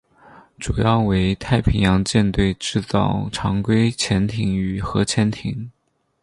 主要为太平洋舰队制造常规潜艇与核潜艇。